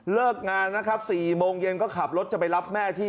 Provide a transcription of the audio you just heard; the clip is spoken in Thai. เลิกงานนะครับ๔โมงเย็นก็ขับรถจะไปรับแม่ที่